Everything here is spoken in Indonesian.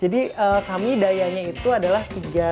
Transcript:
jadi kami dayanya itu adalah tiga ribu lima ratus